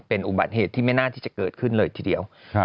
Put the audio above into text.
เป็นอุบัติเหตุที่ไม่น่าที่จะเกิดขึ้นเลยทีเดียว